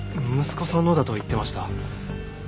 息子さんのだと言ってました。